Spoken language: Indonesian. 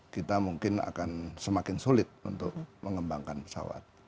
kita mungkin akan semakin sulit untuk mengembangkan pesawat